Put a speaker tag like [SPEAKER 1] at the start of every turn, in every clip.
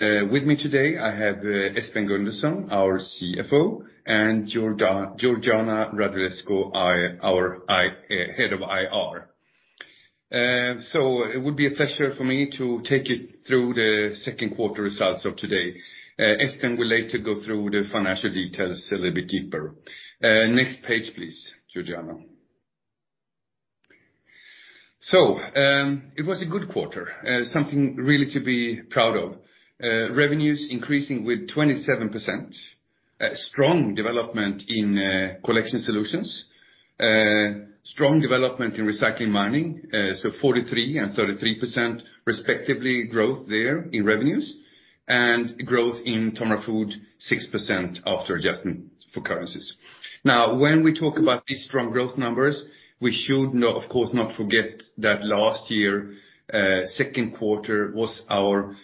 [SPEAKER 1] With me today, I have Espen Gundersen, our CFO, and Georgiana Radulescu, our head of IR. It would be a pleasure for me to take you through Q2 results of today. Espen will later go through the financial details a little bit deeper. Next page, please, Georgiana. It was a good quarter, something really to be proud of. Revenues increasing with 27%. Strong development in Collection Solutions, strong development in Recycling Mining. 43% and 33% respectively growth there in revenues. Growth in TOMRA Food 6% after adjustment for currencies. Now, when we talk about these strong growth numbers, we should of course, not forget that last year, Q2 was our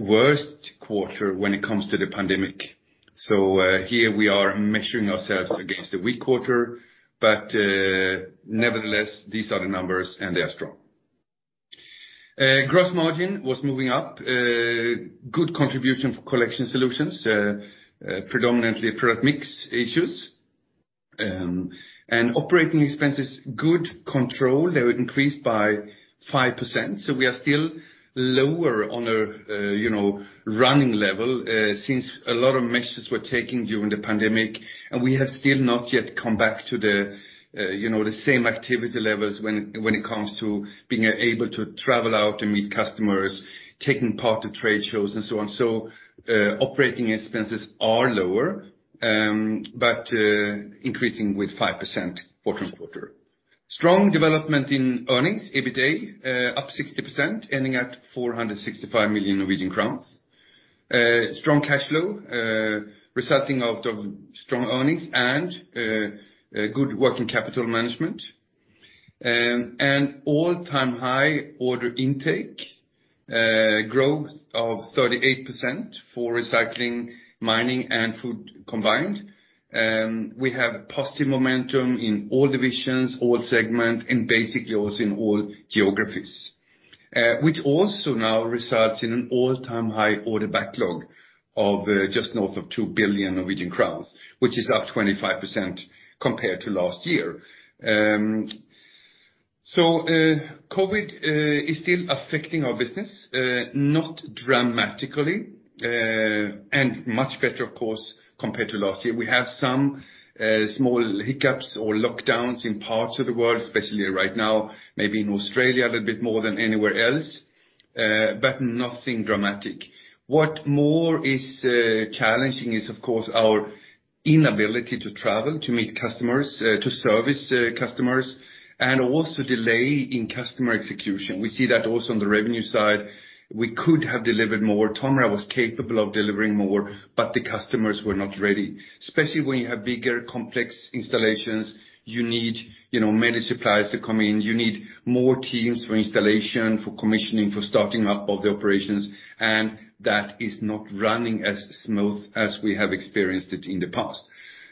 [SPEAKER 1] worst quarter when it comes to the pandemic. Nevertheless, these are the numbers, and they are strong. Gross margin was moving up. Good contribution for Collection Solutions, predominantly product mix issues. Operating expenses, good control. They increased by 5%. We are still lower on a running level, since a lot of measures were taken during the pandemic, and we have still not yet come back to the same activity levels when it comes to being able to travel out and meet customers, taking part to trade shows and so on. Operating expenses are lower, but increasing with 5% quarter-on-quarter. Strong development in earnings. EBITA up 60%, ending at 465 million Norwegian crowns. Strong cash flow, resulting out of strong earnings and good working capital management. All-time high order intake growth of 38% for Recycling Mining and Food combined. We have positive momentum in all divisions, all segment, and basically also in all geographies. Also now results in an all-time high order backlog of just north of 2 billion Norwegian crowns, which is up 25% compared to last year. COVID is still affecting our business. Not dramatically, and much better, of course, compared to last year. We have some small hiccups or lockdowns in parts of the world, especially right now, maybe in Australia a little bit more than anywhere else. Nothing dramatic. What more is challenging is, of course, our inability to travel, to meet customers, to service customers, and also delay in customer execution. We see that also on the revenue side. We could have delivered more. TOMRA was capable of delivering more, but the customers were not ready. Especially when you have bigger, complex installations, you need many suppliers to come in. You need more teams for installation, for commissioning, for starting up all the operations. That is not running as smooth as we have experienced it in the past.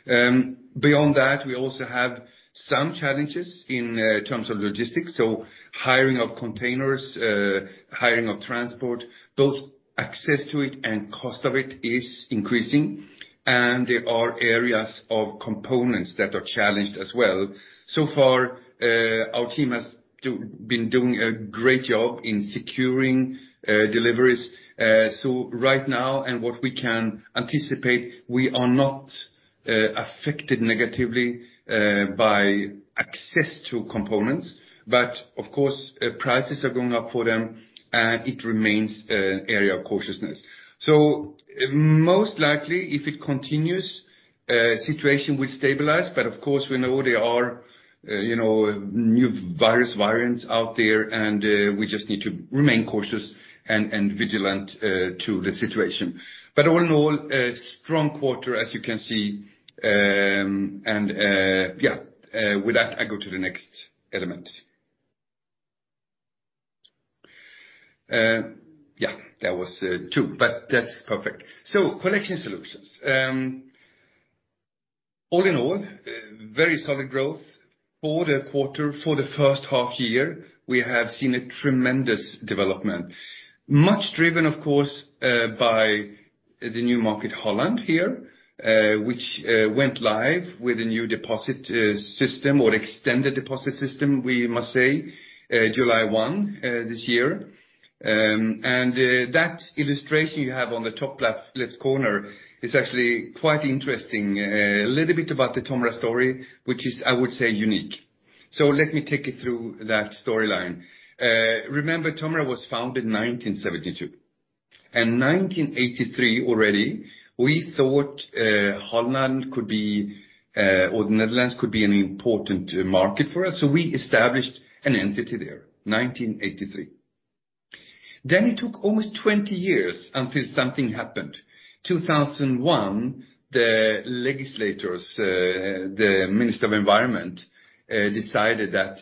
[SPEAKER 1] Beyond that, we also have some challenges in terms of logistics. Hiring of containers, hiring of transport, both access to it and cost of it is increasing. There are areas of components that are challenged as well. So far, our team has been doing a great job in securing deliveries. Right now, and what we can anticipate, we are not affected negatively by access to components. Of course, prices are going up for them, and it remains an area of cautiousness. Most likely, if it continues, situation will stabilize. Of course, we know there are new virus variants out there, and we just need to remain cautious and vigilant to the situation. All in all, a strong quarter, as you can see. With that, I go to the next element. That was two, that's perfect. Collection Solutions. All in all, very solid growth for the quarter. For H1 year, we have seen a tremendous development. Much driven, of course, by the new market, Holland here, which went live with a new deposit system or extended deposit system, we must say, July 1 this year. That illustration you have on the top left corner is actually quite interesting. A little bit about the TOMRA story, which is, I would say, unique. Let me take you through that storyline. Remember, TOMRA was founded in 1972. 1983 already, we thought Holland could be, or the Netherlands could be an important market for us. We established an entity there, 1983. It took almost 20 years until something happened. 2001, the legislators, the minister of environment, decided that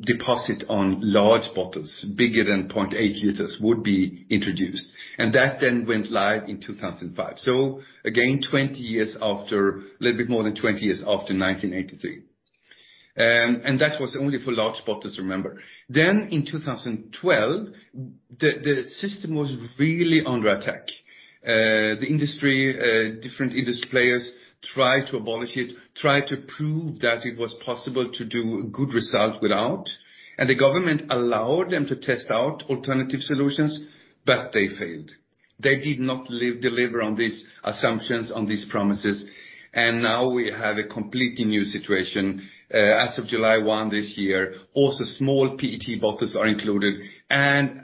[SPEAKER 1] deposit on large bottles, bigger than 0.8 liters, would be introduced. That then went live in 2005. Again, a little bit more than 20 years after 1983. That was only for large bottles, remember. In 2012, the system was really under attack. The industry, different industry players tried to abolish it, tried to prove that it was possible to do a good result without. The government allowed them to test out alternative solutions, but they failed. They did not deliver on these assumptions, on these promises. Now we have a completely new situation. As of July 1 this year, also small PET bottles are included, and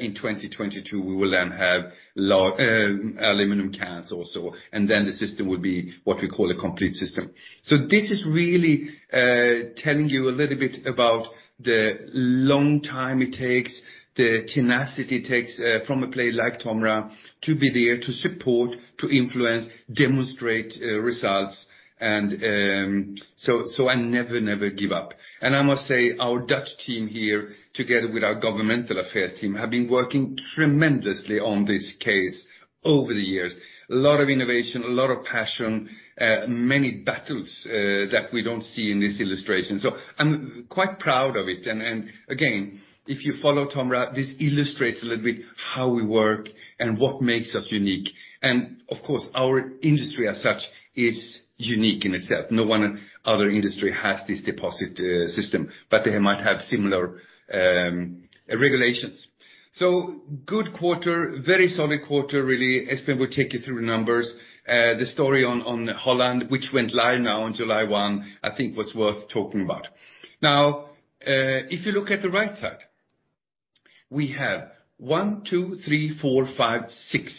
[SPEAKER 1] in 2022 we will then have aluminum cans also. The system will be what we call a complete system. This is really telling you a little bit about the long time it takes, the tenacity it takes from a player like TOMRA to be there, to support, to influence, demonstrate results. I never give up. I must say, our Dutch team here, together with our governmental affairs team, have been working tremendously on this case over the years. A lot of innovation, a lot of passion, many battles that we don't see in this illustration. I'm quite proud of it. Again, if you follow TOMRA, this illustrates a little bit how we work and what makes us unique. Of course, our industry as such is unique in itself. No one other industry has this deposit system, but they might have similar regulations. Good quarter, very solid quarter, really. Espen will take you through the numbers. The story on Holland, which went live now on July 1, I think was worth talking about. If you look at the right side, we have one, two, three, four, five, six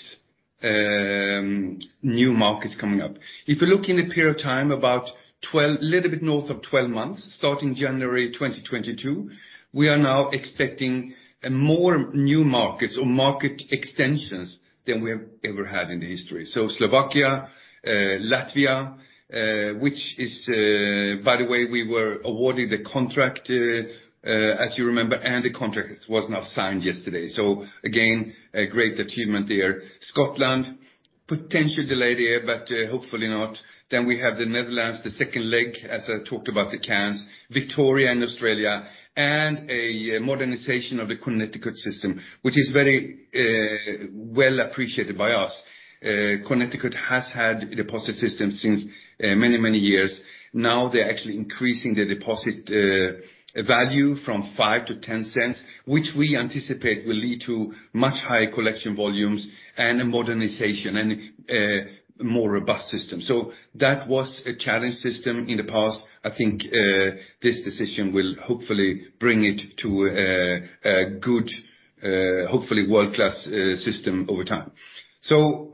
[SPEAKER 1] new markets coming up. If you look in a period of time about a little bit north of 12 months, starting January 2022, we are now expecting more new markets or market extensions than we have ever had in the history. Slovakia, Latvia, which is, by the way, we were awarded the contract, as you remember, and the contract was now signed yesterday. Again, a great achievement there. Scotland, potential delay there, but hopefully not. We have the Netherlands, the second leg, as I talked about the cans. Victoria and Australia, and a modernization of the Connecticut system, which is very well appreciated by us. Connecticut has had a deposit system since many years. They're actually increasing the deposit value from $0.05 -0.10, which we anticipate will lead to much higher collection volumes and a modernization and a more robust system. That was a challenge system in the past. I think this decision will hopefully bring it to a good, hopefully world-class system over time.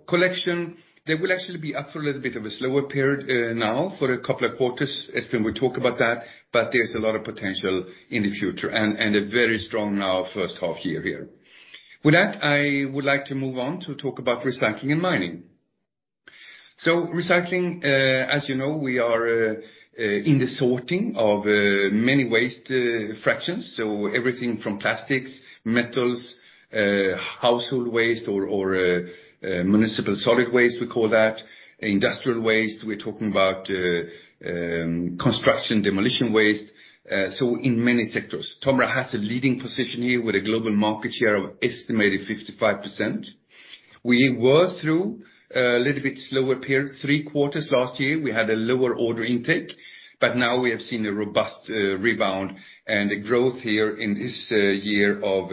[SPEAKER 1] Collection, they will actually be up for a little bit of a slower period now for a couple of quarters, Espen will talk about that, but there's a lot of potential in the future and a very strong now first half year here. With that, I would like to move on to talk about Recycling Mining. Recycling, as you know, we are in the sorting of many waste fractions. Everything from plastics, metals, household waste or municipal solid waste, we call that. Industrial waste, we're talking about construction, demolition waste. In many sectors. TOMRA has a leading position here with a global market share of estimated 55%. We were through a little bit slower period three quarters last year. We had a lower order intake, now we have seen a robust rebound and a growth here in this year of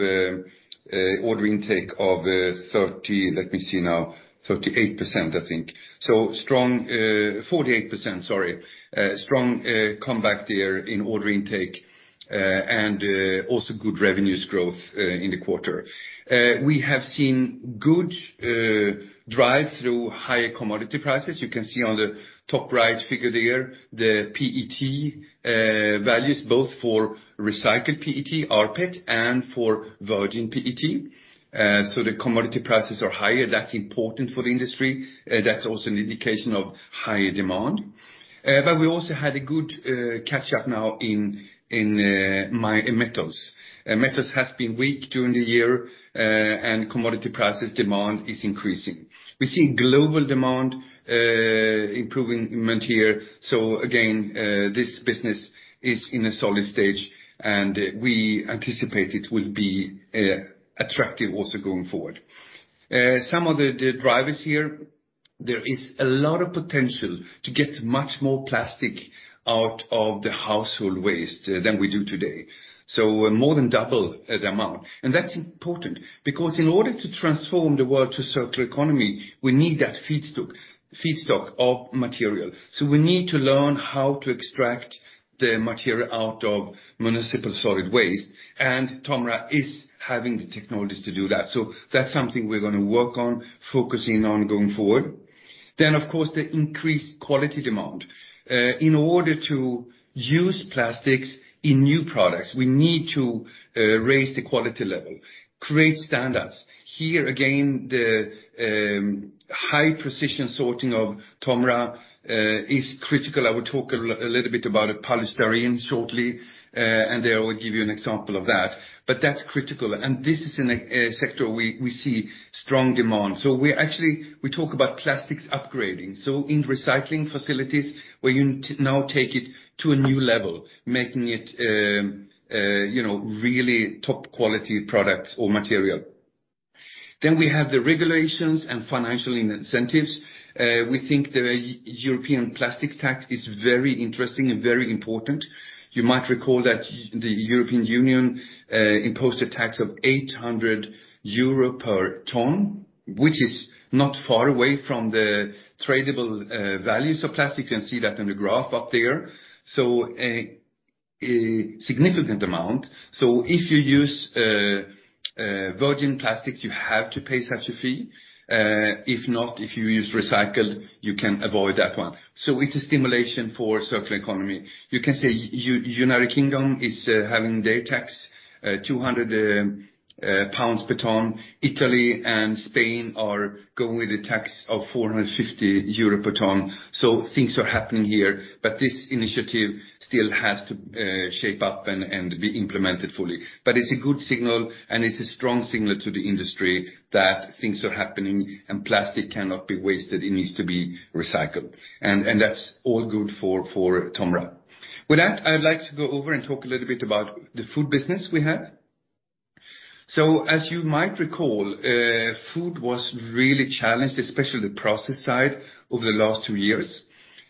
[SPEAKER 1] order intake of 48%. A strong comeback there in order intake, also good revenues growth in the quarter. We have seen good drive through higher commodity prices. You can see on the top right figure there, the PET values, both for recycled PET, rPET, and for virgin PET. The commodity prices are higher. That's important for the industry. That's also an indication of higher demand. We also had a good catch up now in metals. Metals has been weak during the year, commodity prices demand is increasing. We're seeing global demand improvement here. Again, this business is in a solid stage, and we anticipate it will be attractive also going forward. Some of the drivers here, there is a lot of potential to get much more plastic out of the household waste than we do today. More than double the amount. That's important because in order to transform the world to circular economy, we need that feedstock of material. We need to learn how to extract the material out of municipal solid waste, and TOMRA is having the technologies to do that. That's something we're going to work on focusing on going forward. Of course, the increased quality demand. In order to use plastics in new products, we need to raise the quality level, create standards. Here, again, the high-precision sorting of TOMRA is critical. I will talk a little bit about a polystyrene shortly, and there I will give you an example of that. That's critical, and this is in a sector we see strong demand. We talk about plastics upgrading, so in recycling facilities, where you now take it to a new level, making it really top-quality products or material. We have the regulations and financial incentives. We think the European plastics tax is very interesting and very important. You might recall that the European Union imposed a tax of 800 euro per ton, which is not far away from the tradable values of plastic. You can see that in the graph up there. A significant amount. If you use virgin plastics, you have to pay such a fee. If not, if you use recycled, you can avoid that one. It's a stimulation for circular economy. United Kingdom is having their tax, £200 per ton. Italy and Spain are going with a tax of €450 per ton. Things are happening here, but this initiative still has to shape up and be implemented fully. It's a good signal, and it's a strong signal to the industry that things are happening and plastic cannot be wasted. It needs to be recycled. That's all good for TOMRA. With that, I would like to go over and talk a little bit about the food business we have. As you might recall, food was really challenged, especially the process side, over the last two years.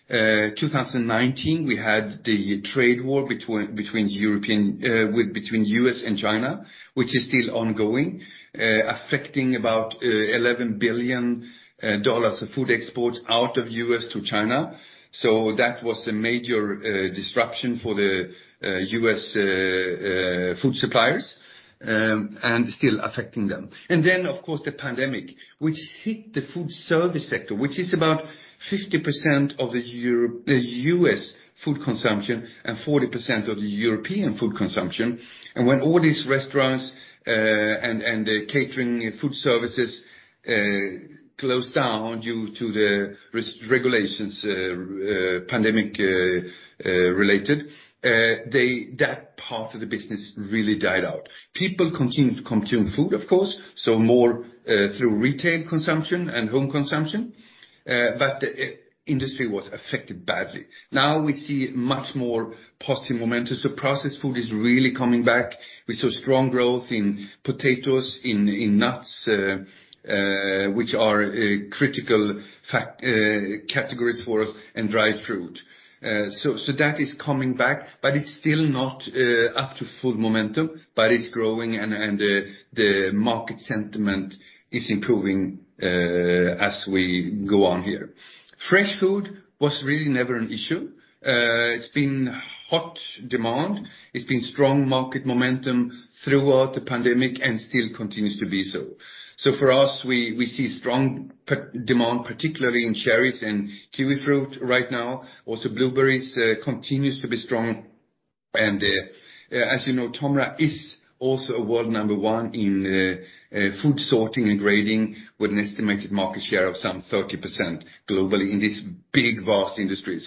[SPEAKER 1] 2019, we had the trade war between U.S. and China, which is still ongoing, affecting about $11 billion of food exports out of U.S. to China. That was a major disruption for the U.S. food suppliers, and still affecting them. Of course, the pandemic, which hit the food service sector, which is about 50% of the U.S. food consumption and 40% of the European food consumption. When all these restaurants and the catering food services closed down due to the regulations, pandemic related, that part of the business really died out. People continued to consume food, of course, so more through retail consumption and home consumption. The industry was affected badly. Now we see much more positive momentum. Processed food is really coming back. We saw strong growth in potatoes, in nuts, which are critical categories for us, and dried fruit. That is coming back, but it's still not up to full momentum, but it's growing, and the market sentiment is improving as we go on here. Fresh food was really never an issue. It's been hot demand. It's been strong market momentum throughout the pandemic and still continues to be so. For us, we see strong demand, particularly in cherries and kiwi fruit right now. Blueberries continues to be strong. As you know, TOMRA is also a world number one in food sorting and grading, with an estimated market share of some 30% globally in this big, vast industry.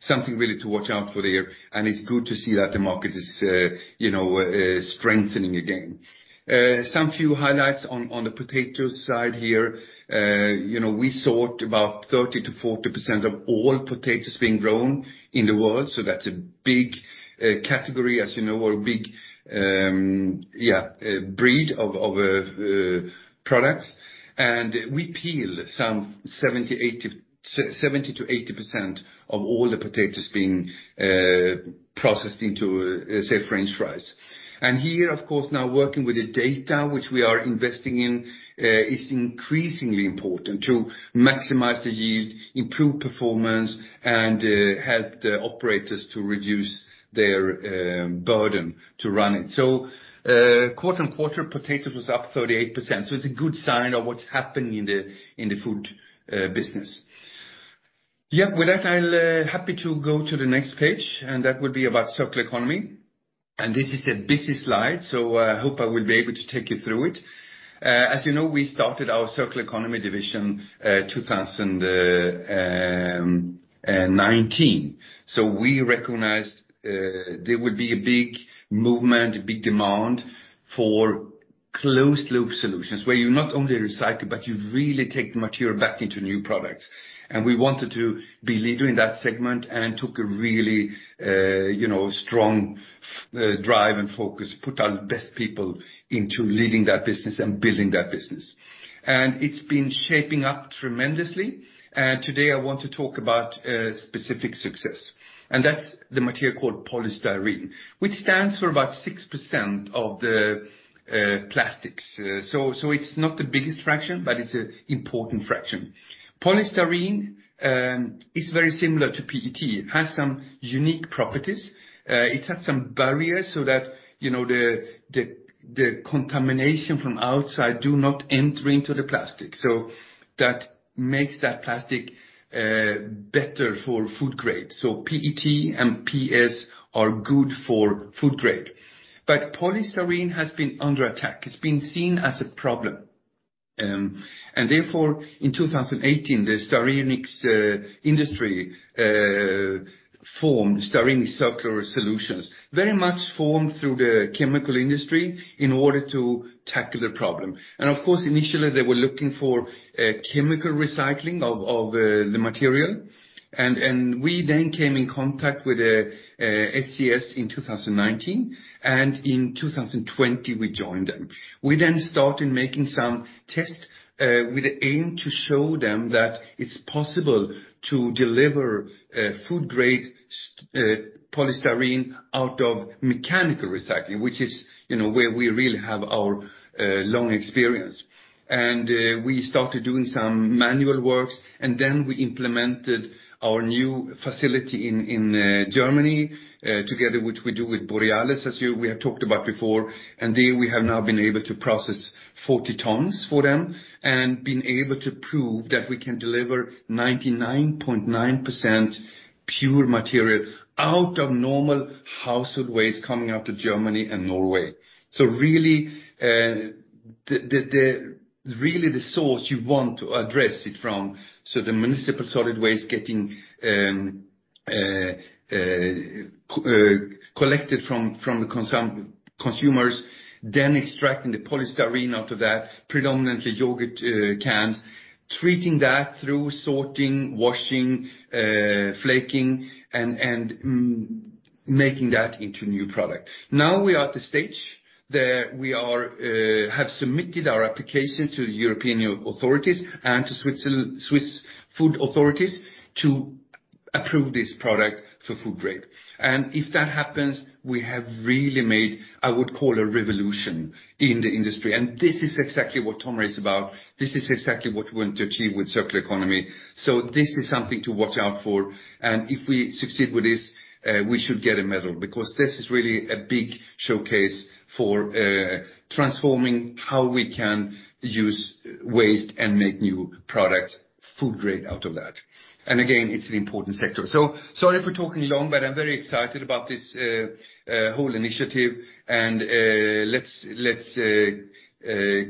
[SPEAKER 1] Something really to watch out for there, and it's good to see that the market is strengthening again. Some few highlights on the potatoes side here. We sort about 30%-40% of all potatoes being grown in the world, so that's a big category, as you know, or a big breed of product. We peel some 70%-80% of all the potatoes being processed into, say, French fries. Here, of course, now working with the data which we are investing in, is increasingly important to maximize the yield, improve performance, and help the operators to reduce their burden to run it. Quarter-on-quarter, potatoes was up 38%. It's a good sign of what's happening in the food business. With that, I'll happy to go to the next page. That would be about Circular Economy. This is a busy slide. I hope I will be able to take you through it. As you know, we started our Circular Economy division, 2019. We recognized there would be a big movement, a big demand for closed-loop solutions, where you not only recycle, but you really take the material back into new products. We wanted to be leader in that segment and took a really strong drive and focus, put our best people into leading that business and building that business. It's been shaping up tremendously, and today I want to talk about a specific success. That's the material called polystyrene, which stands for about 6% of the plastics. It's not the biggest fraction, but it's an important fraction. Polystyrene is very similar to PET, has some unique properties. It has some barriers so that the contamination from outside do not enter into the plastic. That makes that plastic better for food grade. PET and PS are good for food grade. Polystyrene has been under attack. It's been seen as a problem. Therefore, in 2018, the Styrenics industry formed Styrenics Circular Solutions. Very much formed through the chemical industry in order to tackle the problem. Of course, initially they were looking for chemical recycling of the material, and we then came in contact with SCS in 2019, and in 2020 we joined them. We then started making some tests with the aim to show them that it's possible to deliver food-grade polystyrene out of mechanical recycling, which is where we really have our long experience. We started doing some manual works, and then we implemented our new facility in Germany, together with we do with Borealis, as we have talked about before, and there we have now been able to process 40 tons for them, and been able to prove that we can deliver 99.9% pure material out of normal household waste coming out of Germany and Norway. Really, the source you want to address it from, so the municipal solid waste getting collected from consumers, then extracting the polystyrene out of that, predominantly yogurt cans, treating that through sorting, washing, flaking, and making that into new product. Now we are at the stage that we have submitted our application to European authorities and to Swiss food authorities to approve this product for food grade. If that happens, we have really made, I would call a revolution in the industry. This is exactly what TOMRA is about. This is exactly what we want to achieve with circular economy. This is something to watch out for, and if we succeed with this, we should get a medal, because this is really a big showcase for transforming how we can use waste and make new products food grade out of that. Again, it's an important sector. Sorry for talking long, but I'm very excited about this whole initiative, and let's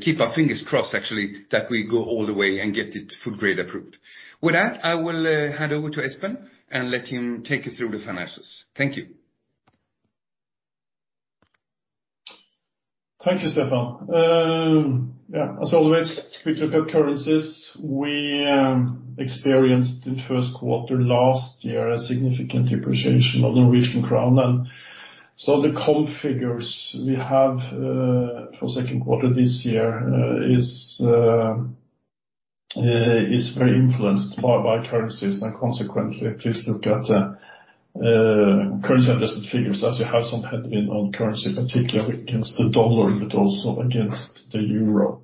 [SPEAKER 1] keep our fingers crossed, actually, that we go all the way and get it food grade approved. With that, I will hand over to Espen and let him take you through the financials. Thank you.
[SPEAKER 2] Thank you, Stefan. Yeah, as always, we look at currencies. We experienced Q1 last year a significant depreciation of the Norwegian crown. The comp figures we have for Q2 this year is very influenced by currencies and consequently, please look at the currency adjusted figures as you have some headwind on currency, particularly against the dollar, but also against the euro.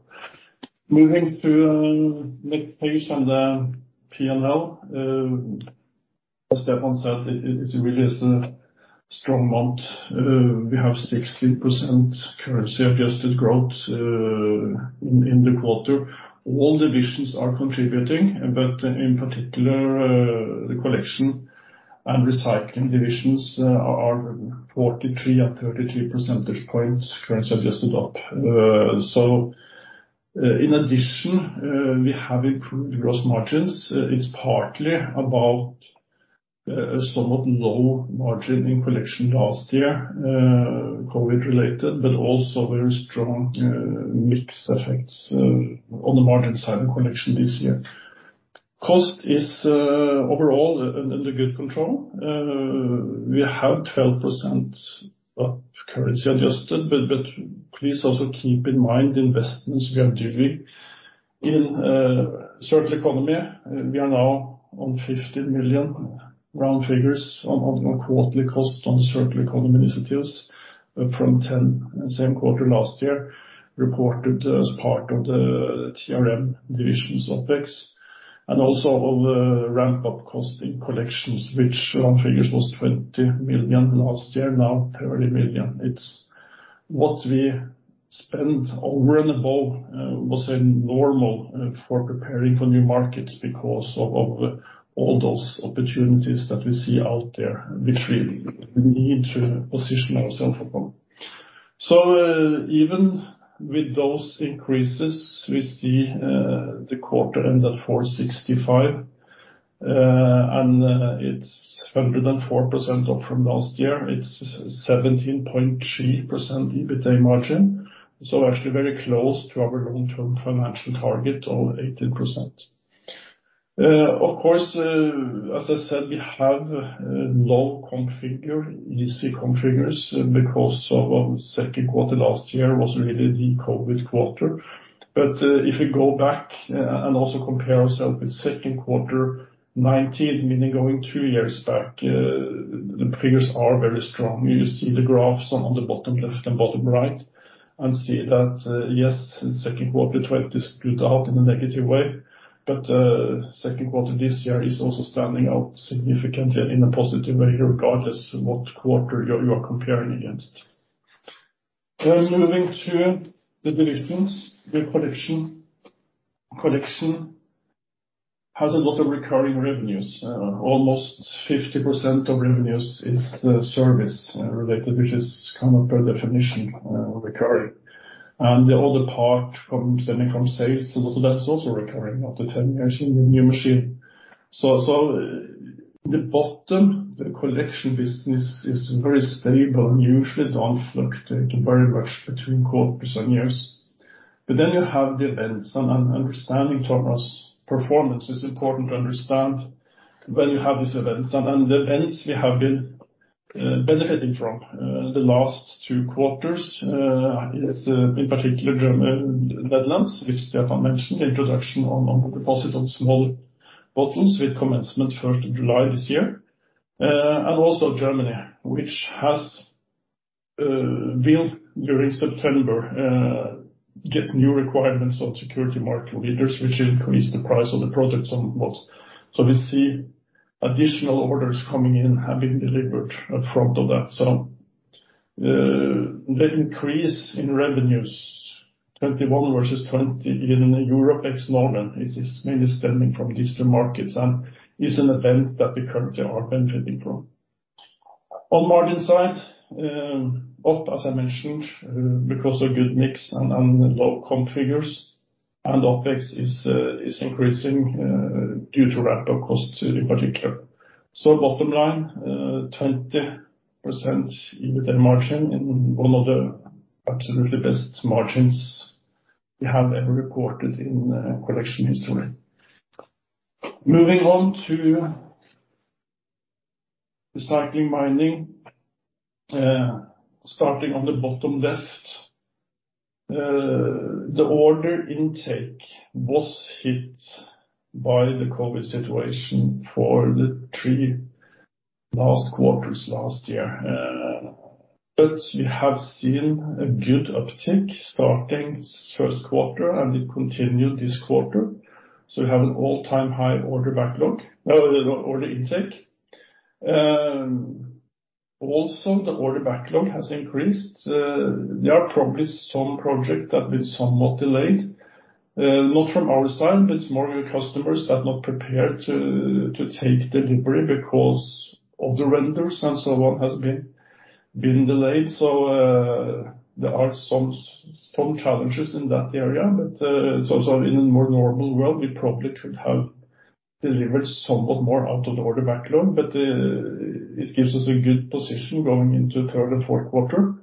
[SPEAKER 2] Moving to next page on the P&L. As Stefan said, it really is a strong month. We have 16% currency adjusted growth in the quarter. All divisions are contributing, but in particular, the collection and recycling divisions are 43 and 33 percentage points currency adjusted up. In addition, we have improved gross margins. It's partly about somewhat low margin in collection last year, COVID related, but also very strong mix effects on the margin side of collection this year. Cost is overall under good control. We have 12% up currency adjusted. Please also keep in mind the investments we are doing in circular economy. We are now on 15 million round figures on quarterly cost on the circular economy initiatives from 10 million same quarter last year, reported as part of the TRM division's OpEx, and also all the ramp-up cost in Collection Solutions, which on figures was 20 million last year, now 30 million. What we spend overall was normal for preparing for new markets because of all those opportunities that we see out there, which we need to position ourselves for them. Even with those increases, we see the quarter end at 465 million. It's 104% up from last year. It's 17.3% EBITDA margin. Actually very close to our long-term financial target of 18%. Of course, as I said, we have low comp figure, easy comp figures, because of Q2 last year was really the COVID quarter. If you go back and also compare ourself with Q2 2019, meaning going two years back, the figures are very strong. You see the graphs on the bottom left and bottom right and see that, yes, Q2 2020 stood out in a negative way, but Q2 this year is also standing out significantly in a positive way regardless of what quarter you are comparing against. Moving to the divisions. The Collection has a lot of recurring revenues. Almost 50% of revenues is service-related, which is per definition, recurring. All the part from stemming from sales, so that's also recurring after 10 years in the new machine. The bottom, the collection business is very stable and usually don't fluctuate very much between quarters and years. You have the events and understanding TOMRA's performance is important to understand when you have these events. The events we have been benefiting from the last two quarters, is in particular Netherlands, which Stefan mentioned, introduction on deposit of small bottles with commencement 1st of July this year. Germany, which has built during September, get new requirements of security markings on labels, which increase the price of the products on bottles. We see additional orders coming in have been delivered upfront of that. The increase in revenues, 2021 versus 2020 in Europe ex-Norway, is mainly stemming from these two markets and is an event that we currently are benefiting from. On margin side, up, as I mentioned, because of good mix and low handling fees and OpEx is increasing due to ramp-up costs in particular. Bottom line, 20% EBITDA margin in one of the absolutely best margins we have ever reported in collection history. Moving on to Recycling Mining. Starting on the bottom left. The order intake was hit by the COVID situation for the three last quarters last year. We have seen a good uptick starting first quarter, and it continued this quarter. We have an all-time high order intake. Also, the order backlog has increased. There are probably some project that have been somewhat delayed. Not from our side, but it's more customers that not prepared to take delivery because of the vendors and so on has been delayed. There are some challenges in that area. In a more normal world, we probably could have delivered somewhat more out of the order backlog. It gives us a good position going into third and fourth quarter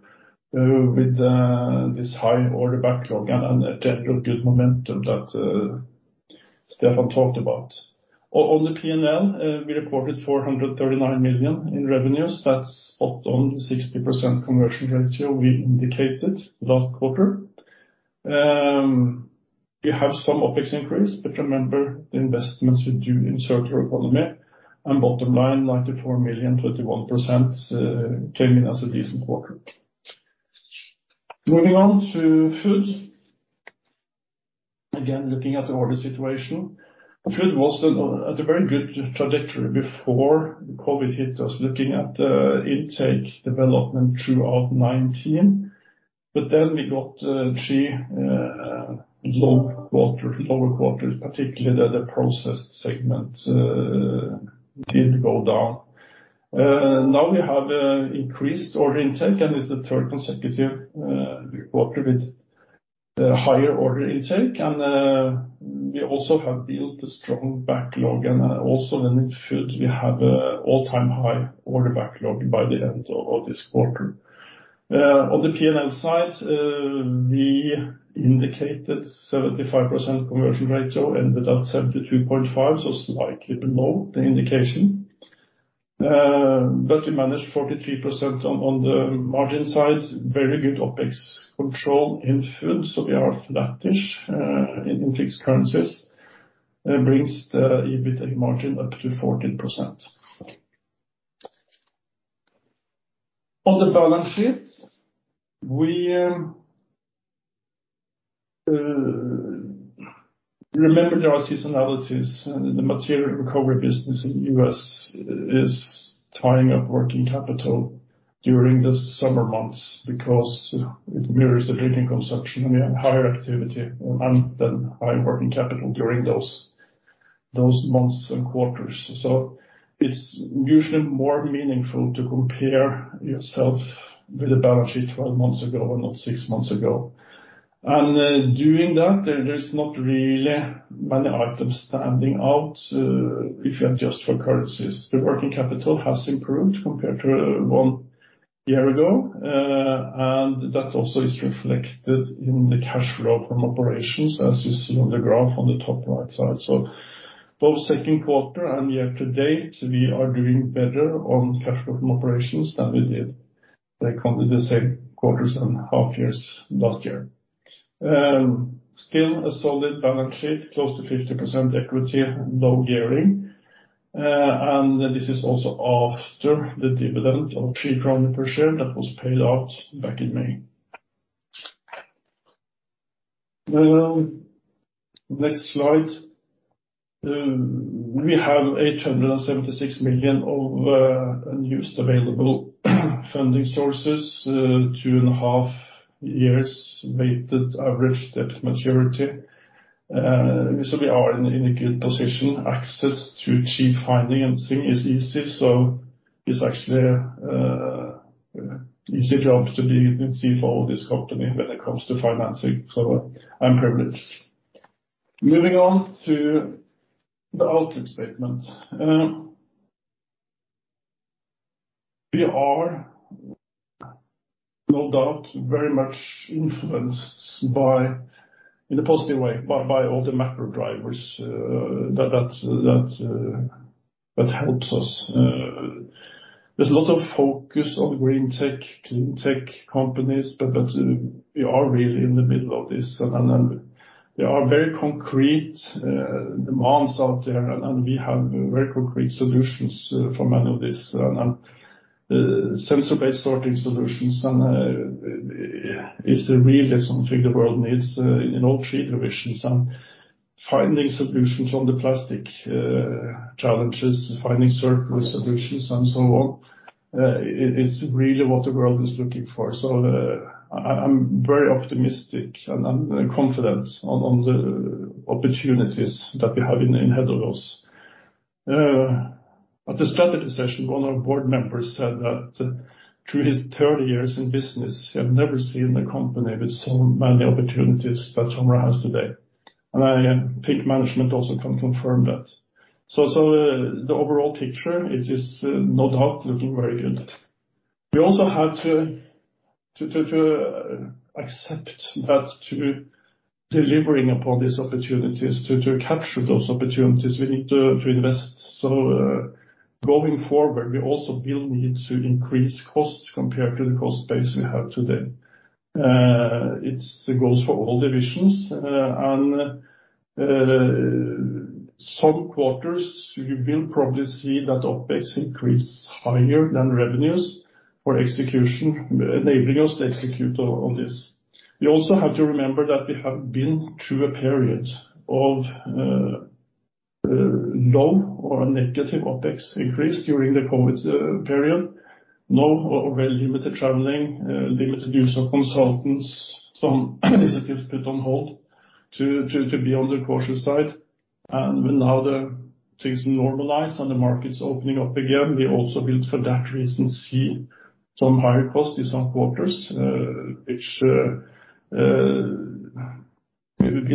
[SPEAKER 2] with this high order backlog and a trend of good momentum that Stefan talked about. On the P&L, we reported 439 million in revenues. That's spot on 60% conversion ratio we indicated last quarter. We have some OpEx increase, remember the investments we do in circular economy and bottom line, 94 million, 21% came in as a decent quarter. Moving on to food. Again, looking at the order situation. Food was at a very good trajectory before COVID hit us, looking at the intake development throughout 2019. Then we got three lower quarters, particularly the processed segment did go down. We have increased order intake and is the third consecutive quarter with the higher order intake. We also have built a strong backlog and also in food, we have all-time high order backlog by the end of this quarter. On the P&L side, we indicated 75% conversion ratio ended at 72.5%, slightly below the indication. We managed 43% on the margin side. Very good OpEx control in food, we are flat-ish in fixed currencies. It brings the EBITDA margin up to 14%. On the balance sheet, remember there are seasonalities in the material recovery business in the U.S. is tying up working capital during the summer months because it mirrors the drinking consumption and we have higher activity and then high working capital during those months and quarters. It's usually more meaningful to compare yourself with a balance sheet 12 months ago and not 6 months ago. Doing that, there is not really many items standing out if you adjust for currencies. The working capital has improved compared to one year ago. That also is reflected in the cash flow from operations, as you see on the graph on the top right side. Both Q2 and year to date, we are doing better on cash flow from operations than we did the same quarters and half years last year. Still a solid balance sheet, close to 50% equity, low gearing. This is also after the dividend of 3 crowns per share that was paid out back in May. Next slide. We have 876 million of unused available funding sources, 2.5 years weighted average debt maturity. We are in a good position. Access to cheap financing is easy, so it is actually an easy job to be the CFO of this company when it comes to financing. I am privileged. Moving on to the outlook statements. We are no doubt very much influenced, in a positive way, by all the macro drivers that helps us. There is a lot of focus on green tech, clean tech companies, but we are really in the middle of this, and there are very concrete demands out there, and we have very concrete solutions for many of these. Sensor-based sorting solutions is really something the world needs in all three divisions. Finding solutions on the plastic challenges, finding circular solutions and so on, is really what the world is looking for. I am very optimistic and I am confident on the opportunities that we have ahead of us. At the strategy session, one of our board members said that through his 30 years in business, he had never seen a company with so many opportunities that TOMRA has today. I think management also can confirm that. The overall picture is just no doubt looking very good. We also have to accept that to deliver upon these opportunities, to capture those opportunities, we need to invest. Going forward, we also will need to increase costs compared to the cost base we have today. It goes for all divisions. Some quarters, you will probably see that OpEx increase higher than revenues for enabling us to execute on this. You also have to remember that we have been through a period of low or negative OpEx increase during the COVID period. No or very limited traveling, limited use of consultants, some initiatives put on hold to be on the cautious side. Now that things normalize and the market's opening up again, we also will, for that reason, see some higher costs in some quarters, which will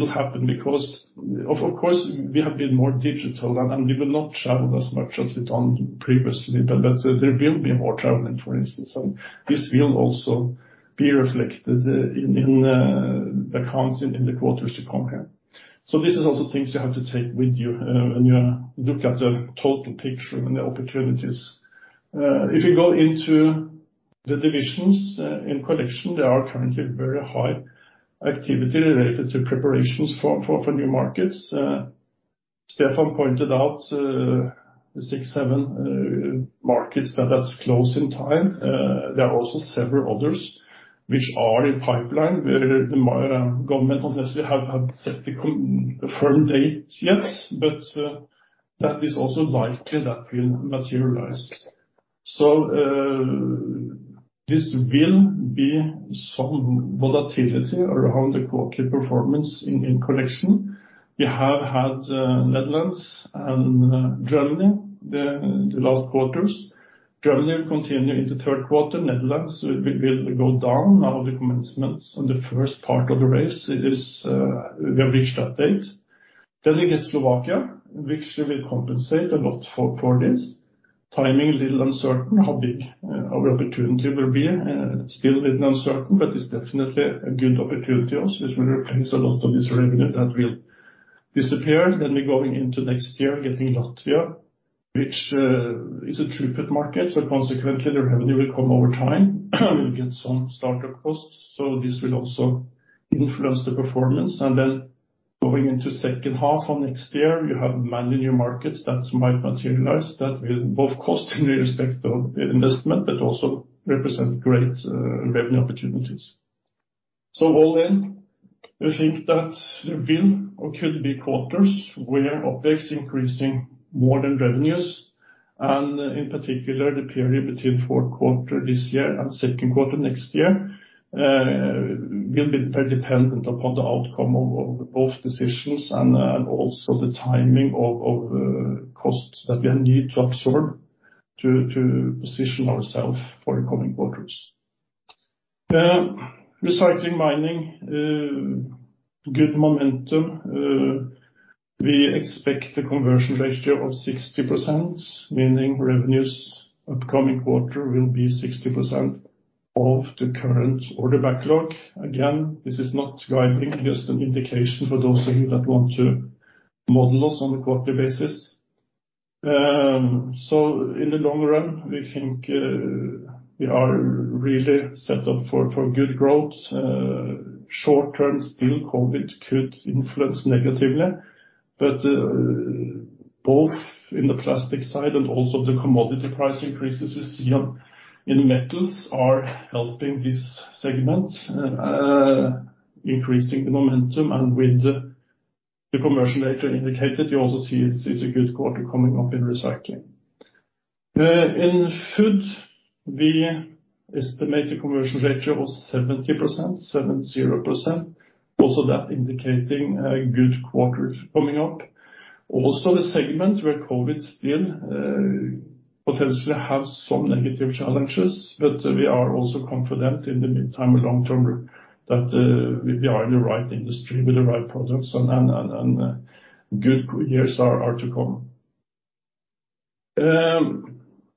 [SPEAKER 2] happen because of course, we have been more digital, and we will not travel as much as we've done previously. There will be more traveling, for instance, and this will also be reflected in the accounts in the quarters to come here. This is also things you have to take with you when you look at the total picture and the opportunities. If you go into the divisions in Collection, there are currently very high activity related to preparations for new markets. Stefan pointed out six, seven markets that's close in time. There are also several others which are in pipeline where the government, obviously, have not set a firm date yet. That is also likely that will materialize. This will be some volatility around the quarterly performance in Collection. We have had Netherlands and Germany the last quarters. Germany will continue into the third quarter. Netherlands will go down. The commencement on the first part of the race, we have reached that date. We get Slovakia, which will compensate a lot for this. Timing, a little uncertain. How big our opportunity will be, still a little uncertain, but it's definitely a good opportunity also, which will replace a lot of this revenue that will disappear. We're going into next year getting Latvia, which is a two-way market, but consequently, the revenue will come over time. We'll get some startup costs. This will also influence the performance. Going into H2 of next year, we have many new markets that might materialize that will both cost in respect of investment, but also represent great revenue opportunities. All in, we think that there will or could be quarters where OpEx increasing more than revenues, and in particular, the period between the fourth quarter this year and second quarter next year will be very dependent upon the outcome of both decisions and also the timing of costs that we need to absorb to position ourself for the coming quarters. Recycling Mining, good momentum. We expect a conversion ratio of 60%, meaning revenues upcoming quarter will be 60% of the current order backlog. Again, this is not guiding, just an indication for those of you that want to model us on a quarterly basis. In the long run, we think we are really set up for good growth. Short-term, still COVID could influence negatively, but both in the plastic side and also the commodity price increases we see in metals are helping this Segment. Increasing the momentum and with the conversion rate indicated, you also see it's a good quarter coming up in Recycling. In Food, we estimate the conversion rate was 70%. Also that indicating a good quarter coming up. Also the Segment where COVID still potentially have some negative challenges, but we are also confident in the midterm or long-term that we are in the right industry with the right products and good years are to come.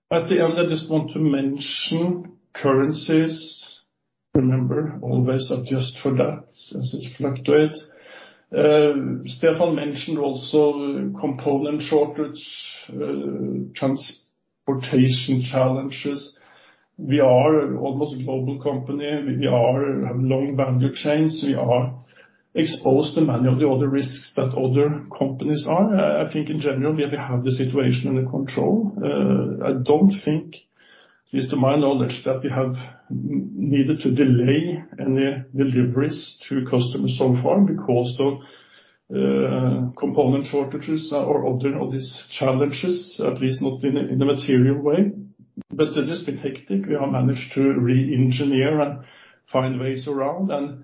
[SPEAKER 2] At the end, I just want to mention currencies. Remember, always adjust for that as it fluctuates. Stefan mentioned also component shortage, transportation challenges. We are almost a global company. We have long value chains. We are exposed to many of the other risks that other companies are. I think in general, we have the situation under control. I do not think, at least to my knowledge, that we have needed to delay any deliveries to customers so far because of component shortages or other of these challenges, at least not in a material way, but just be hectic. We have managed to re-engineer and find ways around, and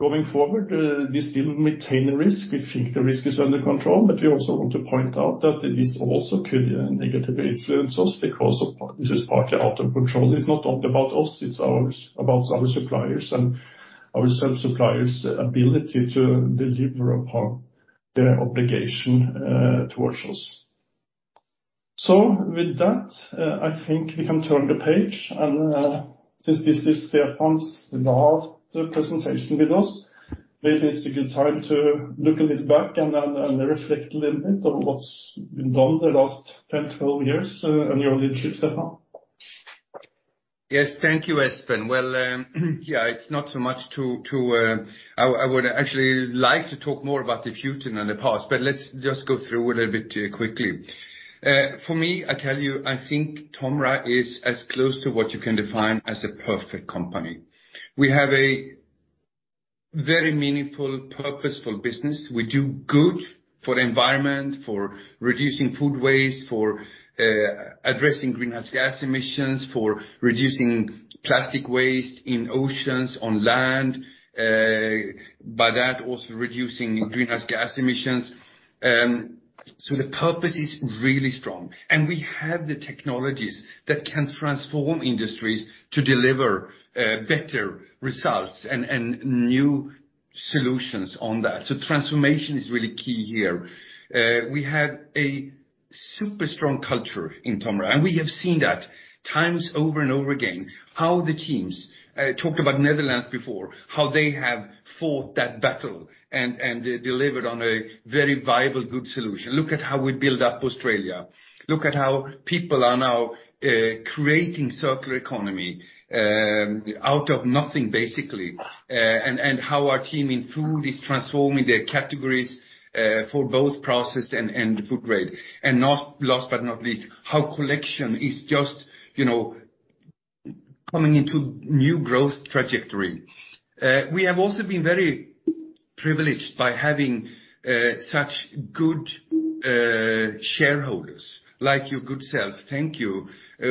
[SPEAKER 2] going forward, we still maintain the risk. We think the risk is under control, but we also want to point out that this also could negatively influence us because this is partly out of control. It is not only about us, it is about our suppliers, and our suppliers' ability to deliver upon their obligation towards us. With that, I think we can turn the page. Since this is Stefan's last presentation with us, maybe it's a good time to look a little back and reflect a little bit on what's been done the last 10, 12 years on your leadership, Stefan.
[SPEAKER 1] Yes. Thank you, Espen. Yeah, it's not so much to I would actually like to talk more about the future than the past, but let's just go through it a bit quickly. For me, I tell you, I think TOMRA is as close to what you can define as a perfect company. We have a very meaningful, purposeful business. We do good for the environment, for reducing food waste, for addressing greenhouse gas emissions, for reducing plastic waste in oceans, on land, by that also reducing greenhouse gas emissions. The purpose is really strong, and we have the technologies that can transform industries to deliver better results and new solutions on that. Transformation is really key here. We have a super strong culture in TOMRA, and we have seen that times over and over again, how the teams, talked about Netherlands before, how they have fought that battle and delivered on a very viable good solution. Look at how we built up Australia. Look at how people are now creating circular economy out of nothing, basically, and how our team in Food is transforming their categories for both processed and food grade. Last but not least, how Collection is just coming into new growth trajectory. We have also been very privileged by having such good shareholders like your good self. Thank you.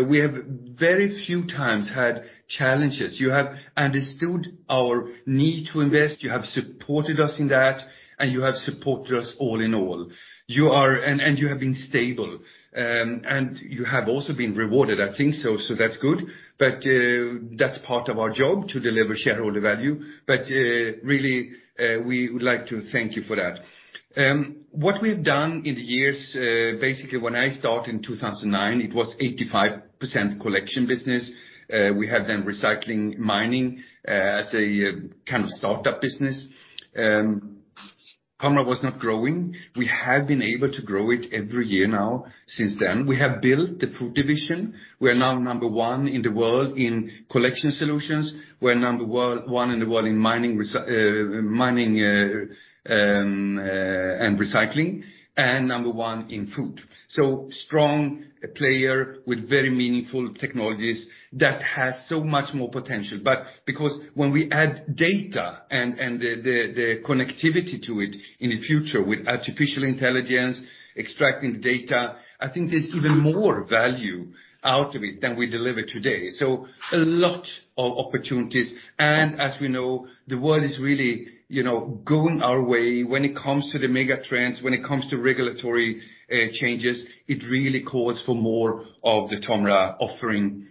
[SPEAKER 1] We have very few times had challenges. You have understood our need to invest, you have supported us in that, and you have supported us all in all. You have been stable, and you have also been rewarded, I think so. That's good, but that's part of our job to deliver shareholder value. Really, we would like to thank you for that. What we've done in the years, basically when I started in 2009, it was 85% collection business. We had then Recycling, Mining as a kind of startup business. TOMRA was not growing. We have been able to grow it every year now since then. We have built the Food division. We are now number one in the world in Collection Solutions. We're number one in the world in Mining and Recycling, and number one in Food. Strong player with very meaningful technologies that has so much more potential. Because when we add data and the connectivity to it in the future with artificial intelligence, extracting the data, I think there's even more value out of it than we deliver today. A lot of opportunities, and as we know, the world is really going our way when it comes to the mega trends, when it comes to regulatory changes, it really calls for more of the TOMRA offering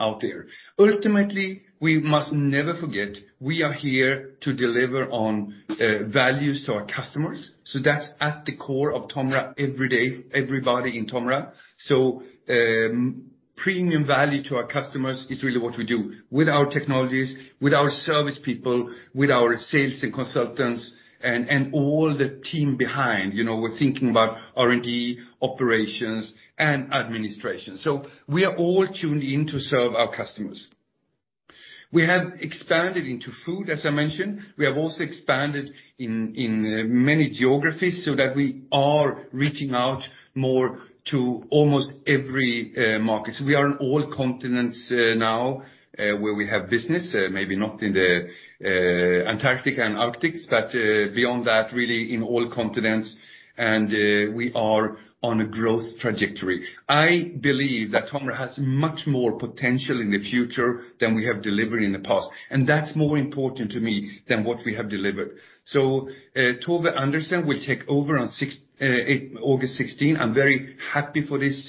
[SPEAKER 1] out there. Ultimately, we must never forget, we are here to deliver on values to our customers. That's at the core of TOMRA every day, everybody in TOMRA. Premium value to our customers is really what we do with our technologies, with our service people, with our sales and consultants, and all the team behind. We're thinking about R&D, operations, and administration. We are all tuned in to serve our customers. We have expanded into food, as I mentioned. We have also expanded in many geographies, so that we are reaching out more to almost every market. We are in all continents now where we have business, maybe not in the Antarctica and Arctic, but beyond that, really in all continents, and we are on a growth trajectory. I believe that TOMRA has much more potential in the future than we have delivered in the past, and that's more important to me than what we have delivered. Tove Andersen will take over on August 16. I am very happy for this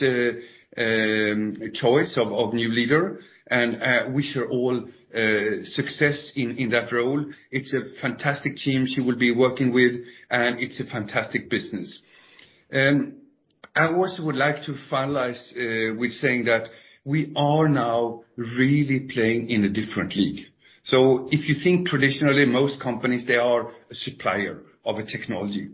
[SPEAKER 1] choice of new leader and wish her all success in that role. It's a fantastic team she will be working with, and it's a fantastic business. I also would like to finalize with saying that we are now really playing in a different league. If you think traditionally, most companies, they are a supplier of a technology.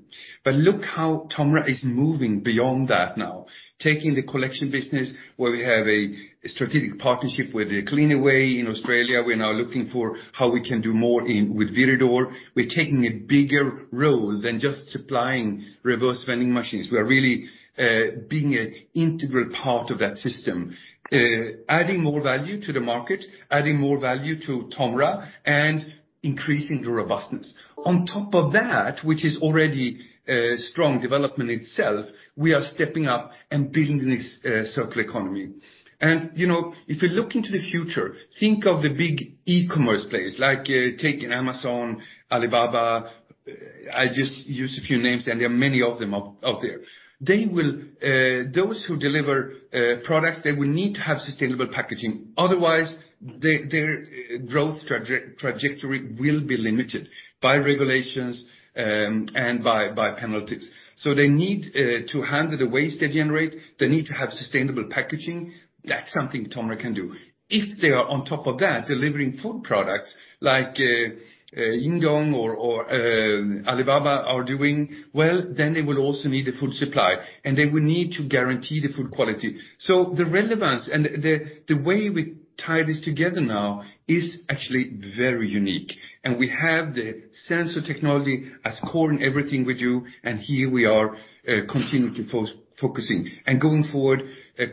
[SPEAKER 1] Look how TOMRA is moving beyond that now. Taking the collection business where we have a strategic partnership with Cleanaway in Australia. We're now looking for how we can do more with Viridor. We're taking a bigger role than just supplying reverse vending machines. We are really being an integral part of that system, adding more value to the market, adding more value to TOMRA, and increasing the robustness. On top of that, which is already a strong development itself, we are stepping up and building this circular economy. If you look into the future, think of the big e-commerce players like take in Amazon, Alibaba. I just use a few names, and there are many of them out there. Those who deliver products, they will need to have sustainable packaging. Otherwise, their growth trajectory will be limited by regulations, and by penalties. They need to handle the waste they generate. They need to have sustainable packaging. That's something TOMRA can do. If they are on top of that, delivering food products like Jingdong or Alibaba are doing, well, then they will also need a food supply, and they will need to guarantee the food quality. The relevance and the way we tie this together now is actually very unique, and we have the sensor technology as core in everything we do, and here we are continuing to focus. Going forward,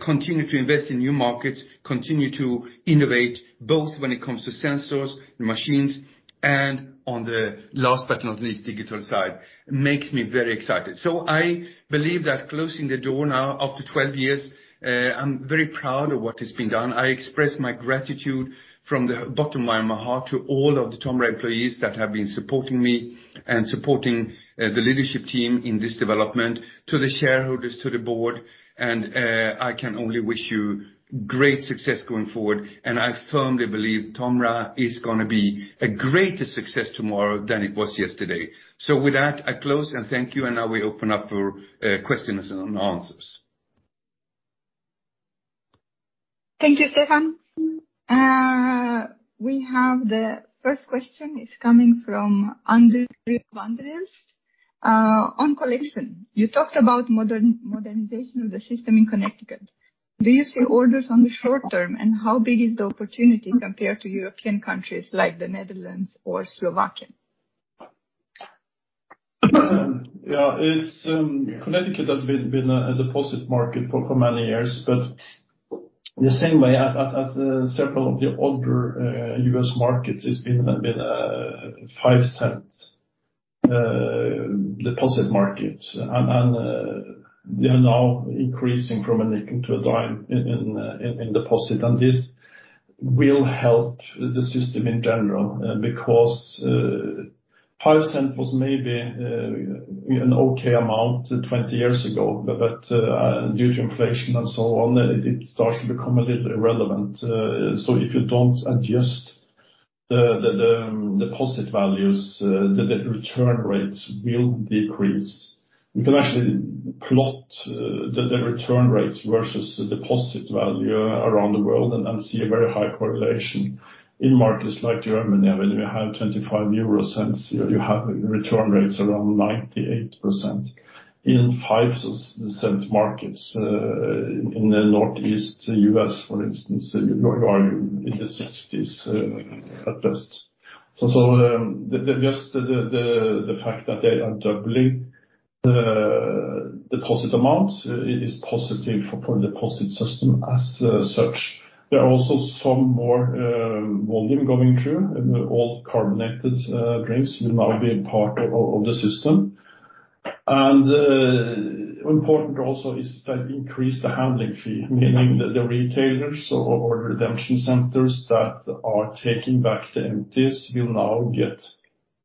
[SPEAKER 1] continue to invest in new markets, continue to innovate, both when it comes to sensors, the machines, and on the last but not least, digital side, makes me very excited. I believe that closing the door now after 12 years, I'm very proud of what has been done. I express my gratitude from the bottom of my heart to all of the TOMRA employees that have been supporting me and supporting the leadership team in this development, to the shareholders, to the board, and I can only wish you great success going forward. I firmly believe TOMRA is going to be a greater success tomorrow than it was yesterday. With that, I close and thank you, and now we open up for questions and answers.
[SPEAKER 3] Thank you, Stefan. We have the first question is coming from Andre van der Yes. On collection, you talked about modernization of the system in Connecticut. Do you see orders on the short term, and how big is the opportunity compared to European countries like the Netherlands or Slovakia?
[SPEAKER 2] Connecticut has been a deposit market for many years, but in the same way as several of the other U.S. markets, it's been a $0.05 Deposit market. They are now increasing from a nickel to a dime in deposit. This will help the system in general, because 0.05 Was maybe an okay amount 20 years ago. Due to inflation and so on, it starts to become a little irrelevant. If you don't adjust the deposit values, the return rates will decrease. You can actually plot the return rates versus the deposit value around the world and see a very high correlation in markets like Germany, where you have 0.25, you have return rates around 98%. In 5-cent markets, in the Northeast U.S., for instance, you are in the 60s at best. Just the fact that they are doubling the deposit amount is positive for deposit system as such. There are also some more volume going through, and all carbonated drinks will now be a part of the system. Important also is that increase the handling fee, meaning the retailers or redemption centers that are taking back the empties will now get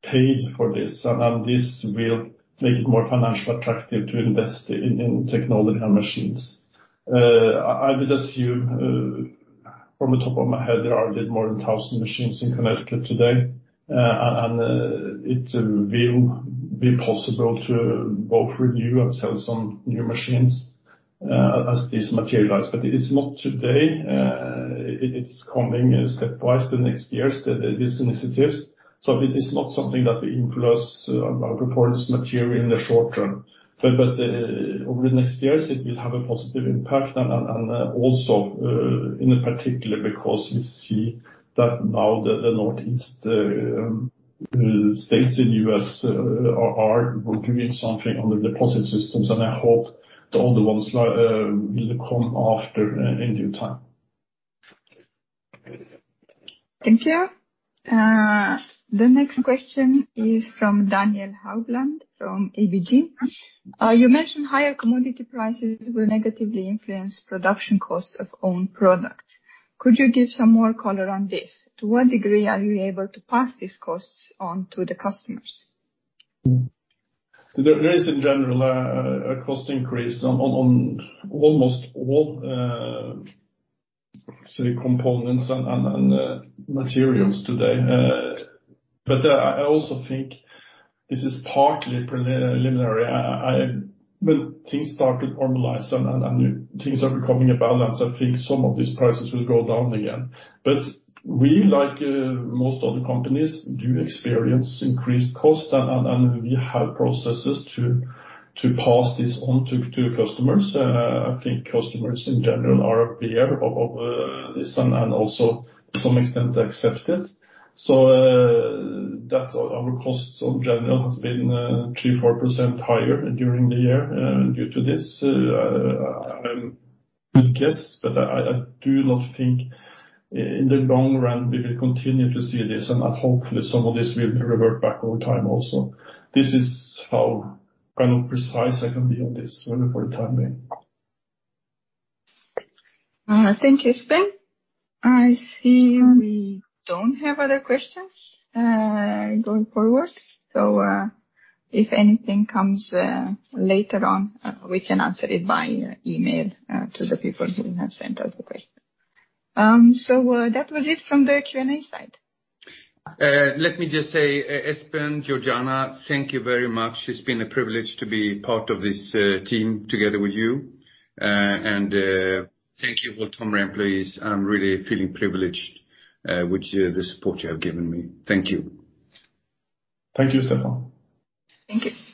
[SPEAKER 2] paid for this, and then this will make it more financially attractive to invest in technology and machines. I would assume, from the top of my head, there are a bit more than 1,000 machines in Connecticut today. It will be possible to both review and sell some new machines as this materialize. It is not today. It's coming stepwise the next years, these initiatives. It is not something that we influence or report as material in the short term. Over the next years, it will have a positive impact. Also, in particular, because we see that now the Northeast states in the U.S. are doing something on the deposit systems, and I hope the other ones will come after in due time.
[SPEAKER 3] Thank you. The next question is from Daniel Haugland from ABG. You mentioned higher commodity prices will negatively influence production costs of own products. Could you give some more color on this? To what degree are you able to pass these costs on to the customers?
[SPEAKER 2] There is in general a cost increase on almost all components and materials today. I also think this is partly preliminary. When things start to normalize and things are becoming a balance, I think some of these prices will go down again. We, like most other companies, do experience increased cost and we have processes to pass this on to customers. I think customers in general are aware of this and also to some extent accept it. Our costs in general has been 3%-4% higher during the year due to this. I would guess, but I do not think in the long run we will continue to see this, and hopefully some of this will revert back over time also. This is how kind of precise I can be on this for the time being.
[SPEAKER 3] Thank you, Espen. I see we don't have other questions going forward. If anything comes later on, we can answer it by email to the people who have sent us the question. That was it from the Q&A side.
[SPEAKER 1] Let me just say, Espen, Georgiana, thank you very much. It's been a privilege to be part of this team together with you. Thank you all TOMRA employees. I'm really feeling privileged with the support you have given me. Thank you.
[SPEAKER 2] Thank you, Stefan.
[SPEAKER 3] Thank you.